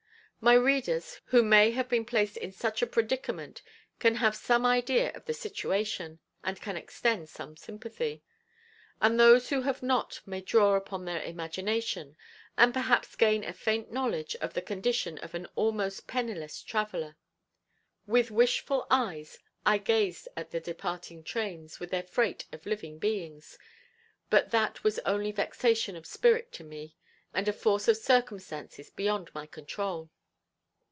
My readers who may have been placed in such a predicament can have some idea of the situation and can extend some sympathy; and those who have not may draw upon their imagination and perhaps gain a faint knowledge of the condition of an almost penniless traveler. With wishful eyes I gazed at the departing trains with their freight of living beings, but that was only vexation of spirit to me, and a force of circumstances beyond my control.